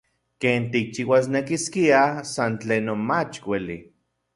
Ken tikchiuasnekiskia san tlen non mach ueli.